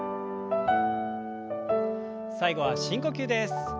最後は深呼吸です。